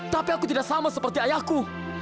tapi aku tidak sama seperti ayahku